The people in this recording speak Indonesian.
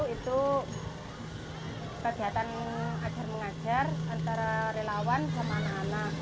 itu kegiatan ajar mengajar antara relawan sama anak anak